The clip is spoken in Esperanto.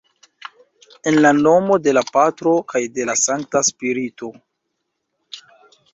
En la nomo de la Patro kaj de la Sankta Spirito.